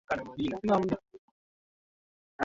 Dakika nne baadaye alifunga kile kimekuwa kikitambuliwa